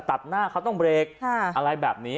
ตัดหน้าเขาต้องเบรกอะไรแบบนี้